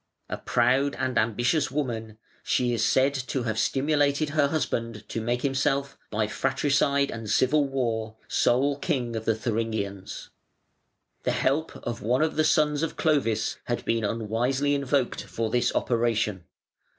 A proud and ambitious woman, she is said to have stimulated her husband to make himself, by fratricide and civil war, sole king of the Thuringians. The help of one of the sons of Clovis had been unwisely invoked for this operation.